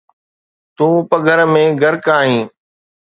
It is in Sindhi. تون پگهر ۾ غرق آهين